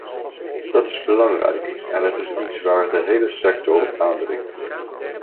Dat is belangrijk en het is iets waar de hele sector op aandringt.